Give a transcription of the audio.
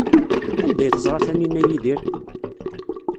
Anda ay teẓra Taninna Yidir?